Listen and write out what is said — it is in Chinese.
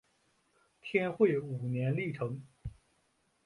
天会五年历成。